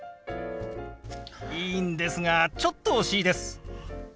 いいんですがちょっと惜しいです。